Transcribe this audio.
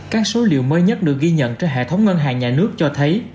các số liệu mới nhất được ghi nhận trên hệ thống ngân hàng nhà nước cho thấy